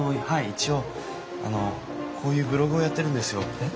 一応こういうブログをやってるんですよ。